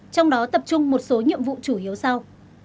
trong đó tập trung một số nhiệm vụ chủ yếu sau